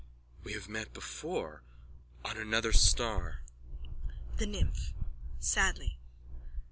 _ We have met before. On another star. THE NYMPH: _(Sadly.)